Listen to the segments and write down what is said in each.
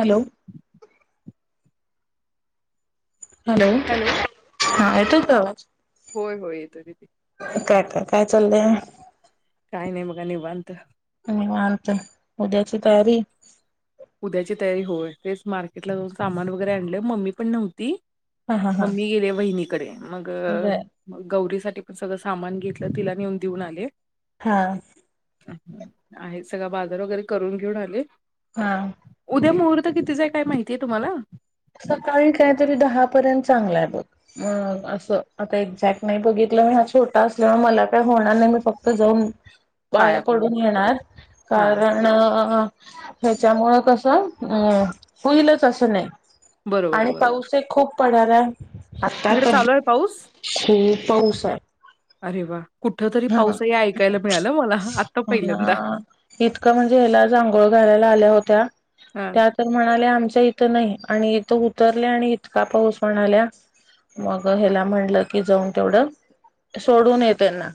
Hello hello हा येतो का आवाज होय होय येतोय दिदी काय काय काय चाललंय बघा निवांत आणि निवात उद्या सितारी उद्याची तयारी होय तेच मार्केटला जाऊन सामान वगैरे आणले मम्मी पण नव्हती हा हा हा मम्मी गेले वहिनीकडे मग बर गौरीसाठी पण सगळं सामान घेतलं तिला नेऊन देऊन आले हा आहे सगळळा बाजार वगैरे करून घेऊन आले हा उद्या मुहूर्त कितीचाय काय माहितीय तुम्हाला सकाळी काहीतरी दहापर्यंत चांगलं आहे बघ म अस आता एक्झॅक्ट नाही बघित मी हा छोटा असल्यामुळे मला काय होणार नाही मी फक्त जाऊन पाया पडून येणार हा कारण ह्याच्यामु कसं अं होईलच असं नाही बरोबर आणि बरोबर पाऊस एक खूप पडलाय आता तिकडे पती चालू आहे पाऊस? खूप पाऊस हाय अरे वा कुठ तरी ह पाऊस आहे हे ऐकायला मिळालं मला आत्ता पहिल्यांदा इतकं म्हणजे हीला आज आंघोळ करायला आल्या होत्या हा. त्यात तर म्हणाले आमच्या. इथ नाही आणि इथं उतरल्या आणि इतका पाऊस म्हणाल्या. मग ह्याला म्हटलं की जाऊन तेवढं सोडून ये त्यांना.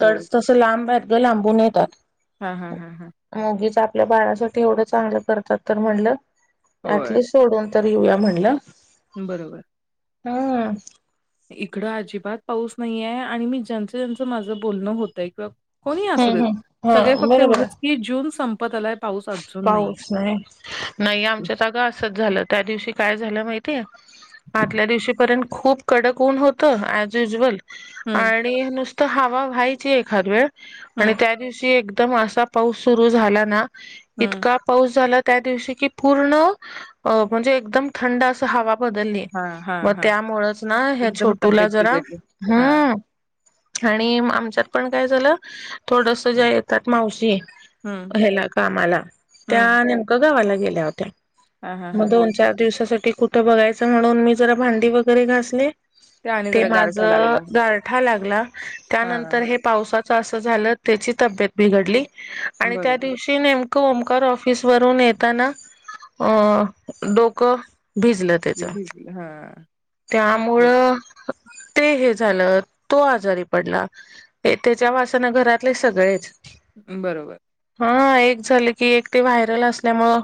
तर तसं लांब आहेतत लांबून येतात. हां हां हां हां उगीच आपल्या बाळासाठी एवढं चांगलं करतात तर म्हणलं होय ऍटलिस्ट सोडून तर येऊया म्हणलं. बरोबर. हा इकडं अजिबात पाऊस नाहीेये आणि मी ज्यांचं ज्यांचं माझं बोलणं होतय ग कोणी असू हम्म देत हम्म सगळे हा फक्त बरोबर एवढंच की जून संपत आलाय. पाऊस अजून नाहीये. पाऊस नाही नाही आमच्या जागा असच झालं त्या दिवशी काय झालं माहितीय आतल्या दिवशीपर्यंत खूप कडक ऊन होतं ऍज युजुअल हं, आणि नुसतं हवा व्हायची एखाद वेळ आणि हं, त्या दिवशी एक एकदम असा पाऊस सुरू झाला ना हं. इतका पाऊस झाला त्या दिवशी की पूर्ण अ म्हणजे एकदम थंड अस हवा बदलली हां, हां, मग हां. त्यामुळेच ना ह्या एकदमच छोटूला तब्येत जरा बिघडली. हां. हं आणि आमच्यात पण काय झालं थोडस ज्या येतात मावशी हं, ह्याला कामाला त्या हं. नेमकं गावाला गेल्या होत्या. हां, हां, मग हां, दोन हां. चार दिवसासाठी कुठं बघायचं म्हणून मी जरा भांडी वगैरे घासली. आणि ते जरा माझ गारठा लागला. गारठा लाग ला हां, त्यानंतर हे पावसाचं असं झालं त्याची तब्येत बिघडली. आणि त्या बरोबर. दिवशी नेम ओमकार र्ऑफिस वरून येताना अ डोकं भिजलं त्याच. भिजलं हां, बरोबर. त्यामुळं ते हे झालं तो आजारी पडला हे त्याच्या वासना घरातले सगळेच बरोबर. हा एक झाले की एक ते व्हायरल असल्यामुळं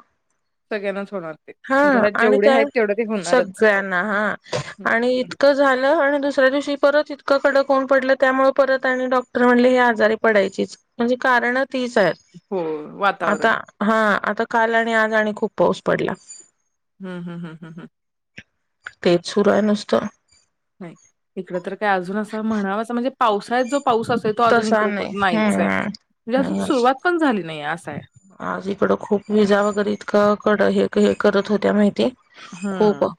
सगळ्यांनाच होणार ते. हा घरात आणि जेवढे त्या आहेत तेवढं ते होणारच. सगळ्यांना हा हं, आणि इतकं झालं आणि दुसऱ्या दिवशी परत इतकं कडक होऊन पडलं त्यामुळे परत आणि डॉक्टर म्हणले ह आजारी पडायचीच म्हणजे कारण तीच आहेत हो आता वातावरण. हा आता काल आणि आज आणि खूप पाऊस पडला. हम्म हम्म हम्म हम्म हम्म तेच सुरू आहे नुसतं. नाही इकडं तर काय अजून असं म्हणावा असं म्हणजे पावसाळ्यात जो पाऊस असे तो अजून तसा नाही इकडं नाहीचय. हम्म म्हणजे अजून नाही सुरुवात पण झाली नाही. असं आहे. आज इकडं खूप विजा वगैरे इतकं कड हे हे करत होत्या माहितीय हम्म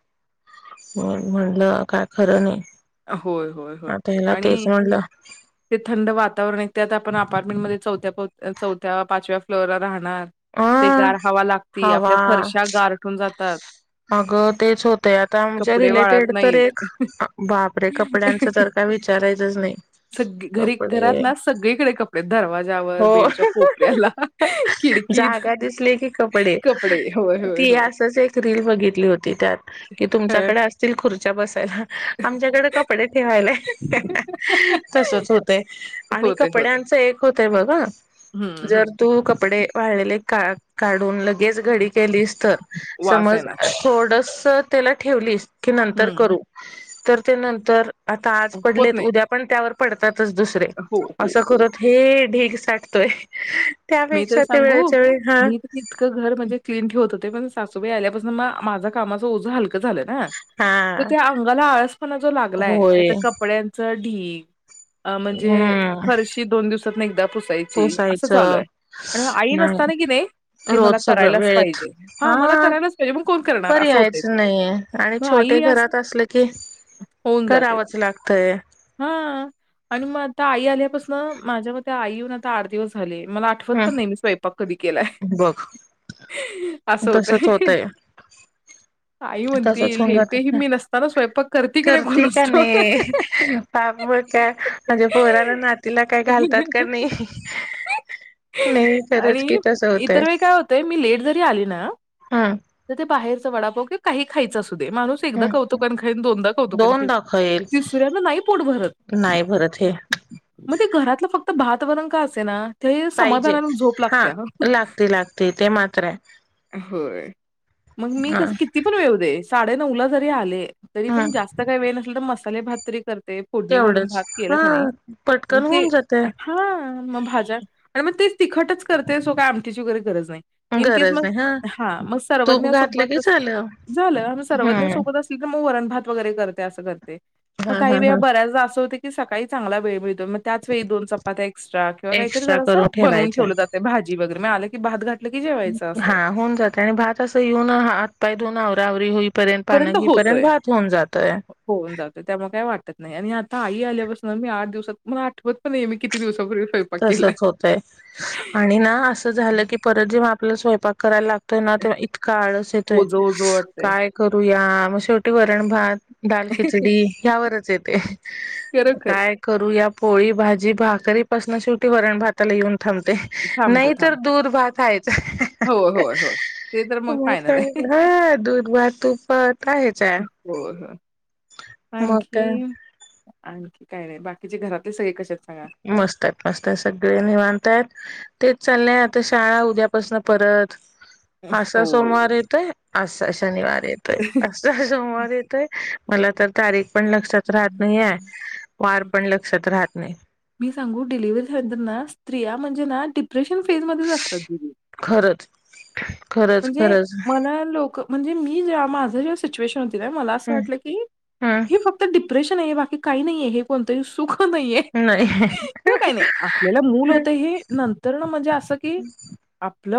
म म्हटलं काय खरं नाही. होय होय होय आता ह्याला तेच आणि म्हणलं ते थंड वातावरण आहे त्यात आपण आप मध्ये चौथ्या चौथ्या पाचव्या फ्लोर वर राहणार. ते अ गार हवा लागती आपल्या हवा फरशा गारठून जातात. अगं तेच होतेय आता आमच्या कपडे वाळत रिलेटेड तर नाहीत. एक बापरे कपड्यांचं तर काय विचारायचंच नाही. सग घरी घरात कपडे ना सगळीकडे कपडे दरवाज्यावर हो बेडच्या कोपऱ्याला खिडकी जागा दिसली की कपडे होय होय ती होय. असच एक रील बघितली होती त्यात की तुमच्या कडे हं. असतील खुर्च्या बसायला आमच्या कडे कपडे ठेवायला तसच होतय आणि होते होते कपड्यांचं एक होतंय बघ हा हम्म जर तू कपडे वाळलेले का काढून लगेच घडी केलीस तर वास समज येणार थोडस त्याला ठेवलीस की नंतर हम्म करू तर ते नंतर आता आज होत पडलेत नाही उद्या पण त्यावर पडतातच दुसरे हो हो असं हो करत हे सठतोय मी तर सांगू मी तर इतकं घर म्हणजे क्लीन ठेवत हो ण सासूबाई आल्यापासून म माझा कामाचंझं हल झालं ना तर हा त्या अंगाला आळसपणा जो लागलाय होय त्यात कपड्यांच ढींग अ म्हणजे हम्म फरशी दोन दिवसातन एकदा पुसायची असं चालू पोसायचं आहे आणि आई नाही नसता ना कि नाई ते मला रोज सगळं करायलाच वेळेत पाहिजे हा मला करायलाच पाहिजे मग कोण करणार असं होत पर्यायच ते नाहीये आणि मग आई छोटे अस घरात असलं की करावंच लागतय हा आणि मग आता आई आल्यापासून माझ्या म आई येऊन आता आठ दिवस झाले मला आठवत पण हम् नाही मी स्वयपाक कधी केला बघ असं होतं तसच होतय काही तसच म्हणतील होऊन नेमक हि जातय मी नसताना स्वयंपाक करते की नाही कोण का असतो नाही पाप मग काय म्हणजे पोराला नातीला काय घालतात का नाही नाही खरंच आणि की तसं होतंय इतर वेळी काय होतंय मी लेट जरी आली ना हा बाहेरचा वडपाव कि काही खायचा अस दे माणूस एकदा ह कौतुकन खाईन दोनदा कौतुकन दोन खाईन दाखवेल तिसऱ्याना नाही पोट भरत नाही भरत हे मग ते घरातलं फक्त भात वरण का असे ना पाहिजे हा लागते लागते ते मात्र आहे होय मग मी ह कस किती पण वेऊ दे साडे नऊ ला जरी आले तरी हा पण जास्त काही वेळ नसला तर मसाले भात तरी करते फोडणी घालून तेवढंच भात केला हा त्या नाही म पटकन ते होऊन जाते हा मग भाज्या आणि मग ते तिखटच करते सो काय आमटीची वगैरे गरज नाही इन केस गरज मग नाही हा मग तूप सर्वज्ञ घातलं की सोबत झालं झालं आ्ही सर्वज्ञ हम्म सोबत असली की मग वरां वर मग हा काही हा व हा ब्याच होते की सकाळी चांग वेळ मिळ मग त्याच वेळी दोन चपात्याक्ट्रा किंवा काहीतरी एक्स्ट्रा जरा अस करून बनून ठेवायचं ठेवलं जाते भाजी वगैर म आले की बाात घा हा होऊन जाते आणि भात असं येऊन आतपाय दोन आवरा आवरी होई पर्यंत होतोय होऊन जातोय त्यामुळे काय वाटत नाही आणि आई आल्यापासून मी आठ दिवसात मला आठवत पण आहे मी किती दिवसापूर्वी स्वयंपाक केलाय. तसच होतय आणि ना असं झालं की परत जे आपला स्वयंपाक करायला लागतोय ना तेव्हा इतका आळस येतोय ओझं, ओझं वाटतंय. काय करूया ग शेवटी वरण भात दाल खिचडी या्यावरच येते खरोखर काय करू या पोळी भाजी भाकरीपासून शेवटी वरण भाताला येऊन थबते थांबतं, नाही तरर थांबतं. दूध भा खायच होय, होय, होय. ते तर मग फायनल आहे. हा दूध वा तूपत आहेच आहे होय, होय. मग काय आणखी आणखी काय नाही बाकीचे घरातले सगळे कसे आहेत सांगा? मस्त आहेत मस्त आहे सगळे नि मानताय तेच चाललंय आता शाळा उद्यापासन परत असा हो. सोमवार येतय असा शनिवार येतोय असा सोमवार येतोय मला तर तारीख पण लक्षात राहत नाहीय वार पण लक्षात राहत नाही मी सांगू डिलिव्हरी सेटर ना स्त्रिया म्हणजे ना डिप्रेशन फेज मध्येच असतात दि खरंच खरंच म्हणजे खरंच मला लोक म्हणजे मी माझ सु म अस वाट की हम् हे फक्त डिप्रेशन आहे बाकी काही नाहीे हे कोणत सुख हो नाहीे नाही किंवा काही नाही आपल्याला मूल होत हे नंतर ना म्हणजे असं कि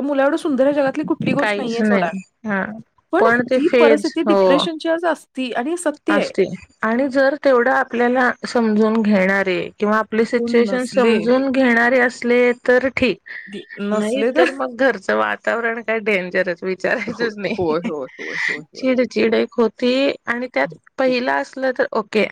मुला एवं सुंदर जगात ी गोष्ट काहीच नाहीये सोडा नाही हा पण ते ती फेज परिस्थिती हो डिप्रेशनची आज असते असते आणि जर तेवढं आपल्याला समजून घेणारे किंवा आपली कोण सिच्युएशन नसले समजून घेणारे असले तर ठीक दी नाही नसले तर मग घरचं वातावरण काय डेंजरच हो, विचारायचच होय, नाही होय, होय, होय, होय. चिड चिडक होती आणि त्यात खूप पहिलं असलं तर ओके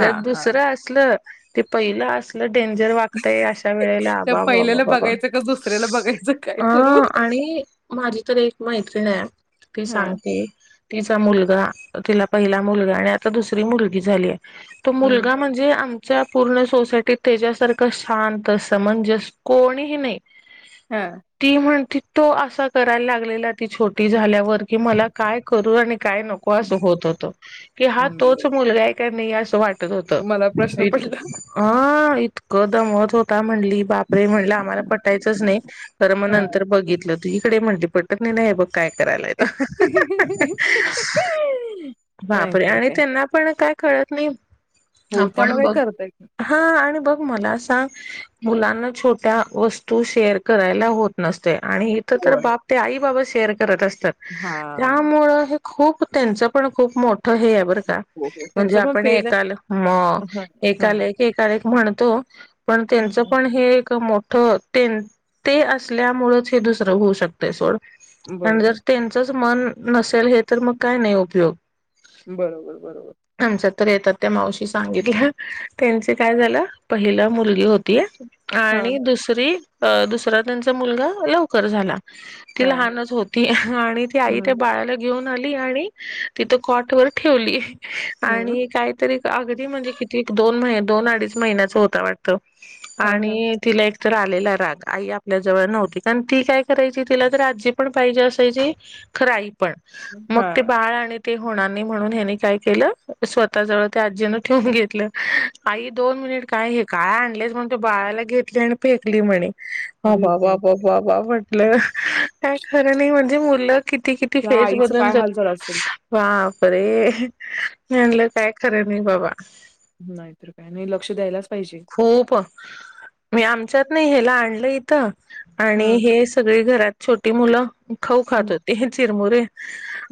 तर हां. दुसरं असलं ते पहिलं असलं डेंजर वागतय अशा वेळेला त्या अबाबा पहिल्याला बाबा बघायचं का दुसऱ्याला बघायचं काय करू? अं आणि माझी तर एक मैत्री आहे ती हां, सांगते तिचा मुलगा तिला पहिला मुलगा आणि आता दुसरी मुलगी झालीय तो हं, मुलगा म्हणजे पूर्ण सोसायटीत त्याच्यासारखं शांत असत म्हणजेस कोणीही नाही हां, ती म्हणती तो असा करायला लागलेला ती छोटी झाल्यावर मला काय करू काय नको अस होत होत की हा हं, तोच बरं. मुला नाही असं वाटत होत मला ह प्रश्न पडला. इतकं दमत होता म्ह बापरे म्हटलं आम्हाला पटायच नाहीर मग हां. नंतर बघितलं तु इकडे म्ह पट नाही नाही बघ काय करायलायेत वापरे नाहीतर आणि काय. त्यांना पण काय कळत नाही हो, आपण त्यामुळे बघ काय करता येत नाही. हा आणि बघ मला सांग मुलांना छोट्या वस्तू शेअर करायला होत नसत आणि इथ तर होय. बाप ते आई बाबा शेअर करत असतात हां. त्यामु खूप त्यांचं पण खूप मोठ हे बर का हो, हो. म्हणजे त्यांचं पण आपण फेज आहे. एकाल म हं, एल एक एका म्हण पण हं, त्यांच हं. पण हे एक मोठ ते असल्यामुळेच हे दुसरं होऊ शकतं सोड आणि जर बरोबर. त्यांचच मन नसेल हे तर मग काय नाही उपयोग बरोबर बरोबर आमच्या तर येतात त्या मावशी सांगितल्या त्यांचे काय झालं पहिलं मुलगी होतीय हां, आणि दुसरी अ दुसरा त्यांचा मुलगा लवकर झाला ती हां. लहानच होती आणि ती आई हं, त्या बाळाला घेऊन आली आणि तिथं कॉट वर ठेवली हं. आणि काहीतरी अगदी म्हणजे किती एक दोन महिने दोन अडीच महिन्याच होता वाटत हां, हां. आणि तिला तर आलेला राग आई आपल्या जवळ नव्हती कारण ती काय करायची तिला तर आजी पण पाहिजे असायची खरंई पण मग ते हां. बाळ आणि ते होणार नाही म्हणून हनी काय केलं स्वतः जवळ त्या आजीन ठेवून घेतलं आई दोन काय हे काय आणलेच म्हण तो बाळाला घेतली आणि फेकली म्हणे अरे बा बाप! बाबा म्हटलं का खरं नाही म्हणजे मुलं किती किती त्या फेज आईचं बदून काय जात हाल झालं असेल. हा बरे म्हलं काय खरं नाही बाबा नाहीतर काय नाही लक्ष द्यायलाच पाहिजे खूप मी आमच्यात नाही हला आणलं इथं आणि हं, हे सगळी घरात छोटी मुलं खाऊ खात हं, होते हे चिरमुरे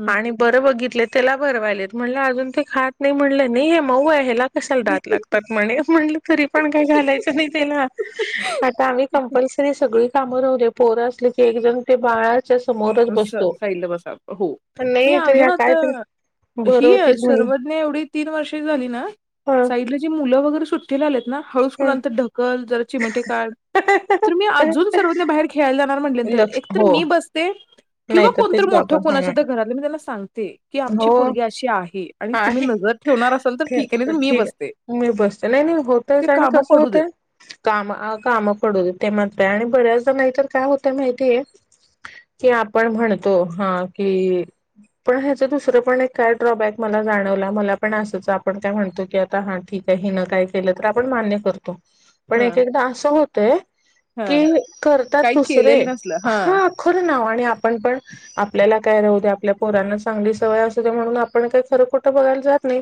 हं. आणि बरं बघित त्याला भरवायलेत म्हण अजून ते खात नाही म्हटलं नाही हे मऊ आहे हला का दात लागतात म्ह तरी पण काय घलायच नाही त्याला आता आम्ही कप सग कामवले पोरं असले क एकजण ते बाळ साहिल बसा हो पण मी नाही तर अजून ह्या काय तर ही भरवतील म्हणलं सर्वज एवढी तीन वर्षे झाली ना ह सा मुलं वगैरे सुट्टी आलेत ना ह हळूंतर ढकल ज चिमटे का तर मी अजून सर्वांनी बाहेर खेळायला लक्ष एक तर हो मी बस नाही किंवा तर कोणतरी तेच मोठ बाबा हा कोणाच्या तर घरातलं मी त्यांना सांगते की हो आमची पगी अशी आहे आणि तुम्ही आहे नजर ठेवणार असाल तर आहे, नाहीतर मी ठीक बसते. आहे मी बसते नाही नाही ते होतयच आणि कामं कसं पडू देत. होतय काम अ काम पडूदे ते म्हणत आणि बऱ्याचदा नाहीतर काय होतंय माहितीय कि आपण म्हणतो हा कि पण ह्याचं दुसरं पण एक काय ड्रॉबॅक मला जाणवला मला पण असंच आपण काय म्हणतो की आता हा ठीक. हीन काय केलं तर आपण मान्य करतो पण हां, एकएकदा असं होतय हां. की करतात काही दुसरे केलेलं नसलं. हां. हा ख आणि आपण पण आपल्याला काय राहू दे आपल्या पोरांना चांगली सवय असूदे म्हणून आपण काय खरं खोटं बो ला जात नाही.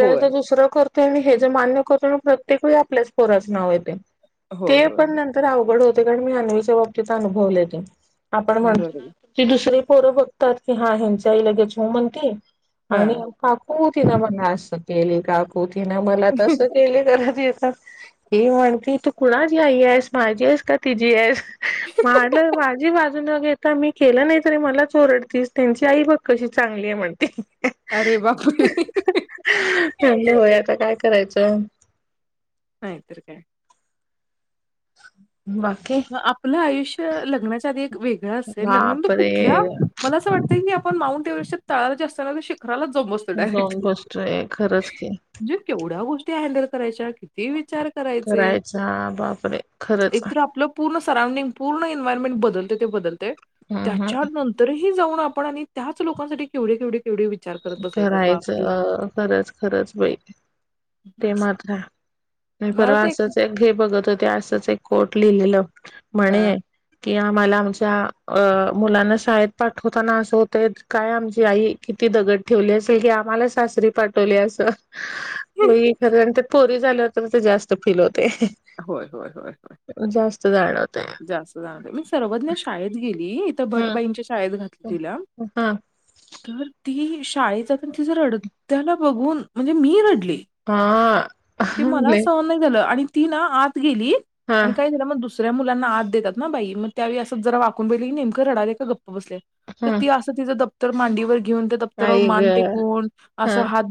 होय. दुसरं करतय आणि हेज मान्य करतो प्रत्येकवेळी आपल्याच पोराच नाव येतेय. होय, ते होय. पण नंतर अवघड होते कारण मी अन्वीच्या बाबतीत अनुभवलय ते. आपण म्हणतो ना बरोबर. ती दुसरी पोरं बघतात की हा हेंची आई लगेच हो म्हणते. आणि हां. काकू तिनं मला असं केली काकू तिनं मला तसं केली करत ही म्हणती तू कुणाची आई आहेस माझी आहेस का तिझी आहेस. वाजी वाज जू न घेता मी केलं नाही तरी मला ओरडतीस त्यांची आई बघ कशी चांगली आहे म्हणते. अरे बापरे! म्हणले होय आता काय करायचं. नायतर काय. बाकी म आपलं आयुष्य लग्नाच्या आधी एक वेगळं असेल लग्नानंत कुठल्या बापरे मला असं वाटतंय की आपण माऊंट एव्हेस्टच्या तळाची असताना राला जाऊन बसतोय डायरेक्ट जाऊन बसतोय खरंच की म्हणजे केवढ्या गोष्टी हँडेल करायच्या किती विचार करायचे करायचा बापरे खरंच एक तर आपलं पूर्ण सरौंडिंग पूर्ण एन्वयरमेंट बदलतंय ते बदलतंय हम्म हम्म त्याच्यानंतरही जाऊन आपण आणि त्याच लोकांसाठी केवढे केवढे केवढे विचार करत बसायचे. करायचं बापरे! अ खरंच खरंच बाई ते मात्र हाय. नाही मला परवा ते असंच एक हे बघत होते असंच एक कोट लिहिलेलं हां. म्हणे कि आम्हाला आमच्या अ मुलांना शाळेत पाठवताना असं होतंय क काय आमची आई कि ती दगड ठेवली असेल की आम्हाला सासरी पाठवली अस [unintelligible] झाल्याव ते जास्त फील होत होय होय होय होय जास्त जाणवतंय जास्त जाणवतय मी सर्वज्ञ शाळेत गेली इथं हम्म भटबाईंच्या शाळेत हा [unintelligible] तर ती शाळेत जाताना तिज रडत्याल बघून म्हणजे मी रड हा ते मला सहन नाही झालं आणि ती ना आत गेली हा आणि काय झालं मग दुसर मुलांना आत देतात ना बाई मग त्यावेळी अस जरा वाकून बघितलं नेमक रडाल्या का ग बसल्या तर हं. ती असं तिचं दप्तर मांडीवर घेऊन त्या दप्तरावर आई मान गं! टेकून अस हात